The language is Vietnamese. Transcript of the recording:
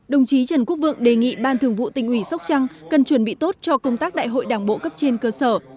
đồng chí trần quốc vượng đề nghị ban thường vụ tỉnh ủy sóc trăng cần chuẩn bị tốt cho công tác đại hội đảng bộ cấp trên cơ sở